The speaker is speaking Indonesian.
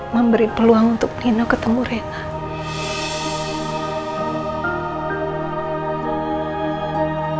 memberi peluang untuk dino ketemu rena